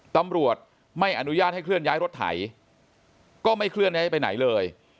ตำรวจไม่อนุญาตให้เคลื่อนย้ายรถไถก็ไม่เคลื่อนย้ายไปไหนเลย